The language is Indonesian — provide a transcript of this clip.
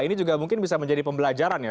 ini juga mungkin bisa menjadi pembelajaran ya